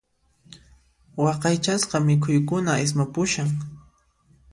Waqaychasqa mikhuykuna ismupushan.